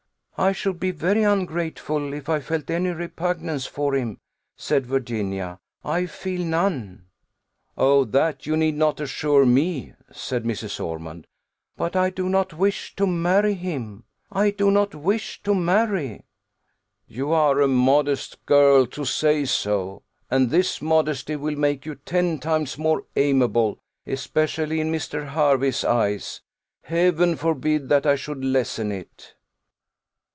"I should be very ungrateful if I felt any repugnance for him," said Virginia; "I feel none." "Oh, that you need not assure me," said Mrs. Ormond. "But I do not wish to marry him I do not wish to marry." "You are a modest girl to say so; and this modesty will make you ten times more amiable, especially in Mr. Hervey's eyes. Heaven forbid that I should lessen it!"